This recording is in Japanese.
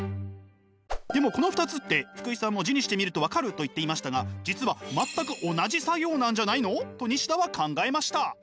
でもこの２つって福井さんも字にしてみると分かると言っていましたが実は全く同じ作業なんじゃないの？と西田は考えました。